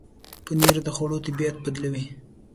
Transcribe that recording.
پنېر د خوړو طبعیت بدلوي.